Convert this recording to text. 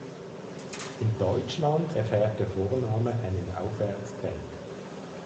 In Deutschland erfährt der Vorname einen Aufwärtstrend.